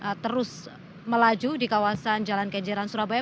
dengan terus melaju di kawasan jalan genjeran surabaya